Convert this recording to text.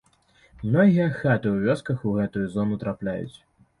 Многія хаты ў вёсках у гэтую зону трапляюць.